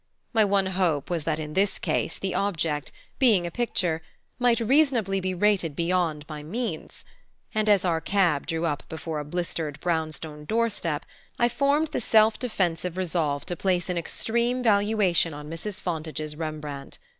My one hope was that in this case the object, being a picture, might reasonably be rated beyond my means; and as our cab drew up before a blistered brown stone door step I formed the self defensive resolve to place an extreme valuation on Mrs. Fontage's Rembrandt.